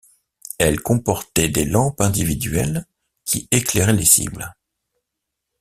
Elles comportaient des lampes individuelles qui éclairaient les cibles.